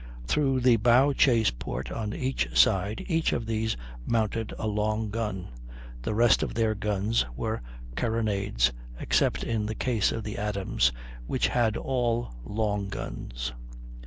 Through the bow chase port, on each side, each of these mounted a long gun; the rest of their guns were carronades, except in the case of the Adams, which had all long guns.